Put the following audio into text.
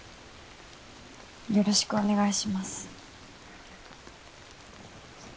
よろしくお願いします。